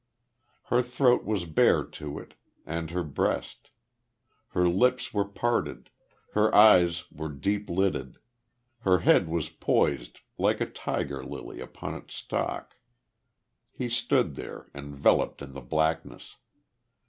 Her throat was bare to it, and her breast. Her lips were parted. Her eyes were deep lidded. Her head was poised like a tiger lily upon its stalk.... He stood there, enveloped in the blackness....